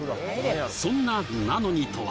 そんな「なのに」とは